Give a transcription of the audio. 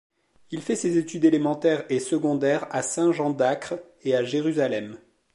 Il fait ses études élémentaires et secondaires à Saint-Jean-d'Acre et à Jérusalem.